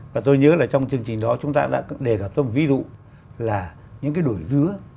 và tôi nhớ là trong chương trình đó chúng ta đã đề cập tới một ví dụ là những cái đuổi dứa